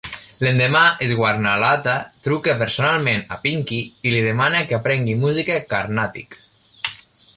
L'endemà Swarnalatha truca personalment a Pinky i li demana que aprengui música Carnatic.